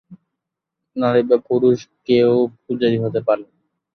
নারী বা পুরুষ যে কেউ পূজারী হতে পারেন।